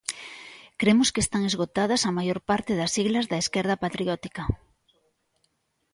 Cremos que están esgotadas a maior parte das siglas da esquerda patriótica.